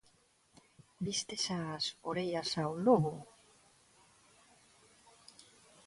Vistes as orellas ao lobo?